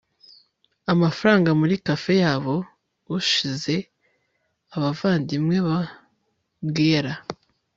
amafranga muri café yabo, ushize abavandimwe ba guerra